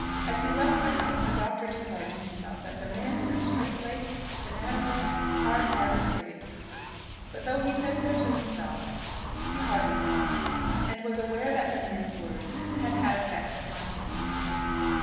As he left the house the Doctor declared to himself that the man was a strait laced, fanatical, hard hearted bigot. But though he said so to himself, he hardly thought so; and was aware that the man's words had had effect upon him.